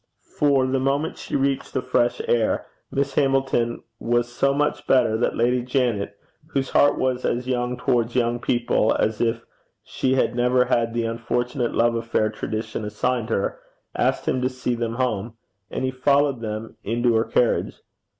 For, the moment she reached the fresh air, Miss Hamilton was so much better that Lady Janet, whose heart was as young towards young people as if she had never had the unfortunate love affair tradition assigned her, asked him to see them home, and he followed them into her carriage.